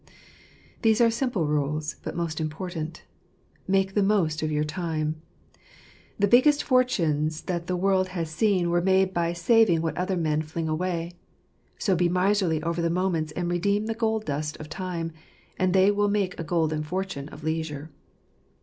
These are simple rules, but most important. Make the most of your time . The biggest fortunes that the world has seen were made by saving what other men fling away ; so be miserly over the moments, and redeem the gold dust of time, and they will make a golden fortune of leisure.